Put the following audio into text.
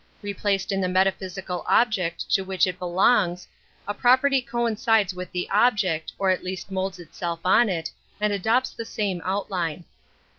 Replaced in the meta physical object to which it belongs, a property coincides with the object, or at least moulds itself on it, and adopts the same outline.